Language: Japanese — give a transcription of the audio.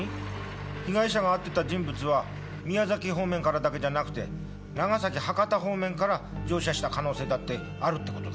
被害者が会っていた人物は宮崎方面からだけじゃなくて長崎・博多方面から乗車した可能性だってあるってことだ。